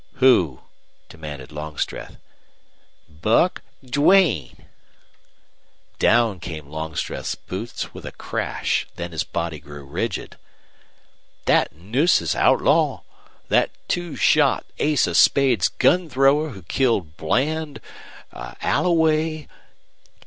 "Who?" demanded Longstreth. "BUCK DUANE!" Down came Longstreth's boots with a crash, then his body grew rigid. "That Nueces outlaw? That two shot ace of spades gun thrower who killed Bland, Alloway